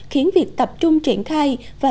khiến việc tập trung triển khai và